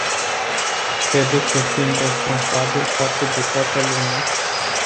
Trebuie să fim responsabili față de toată lumea.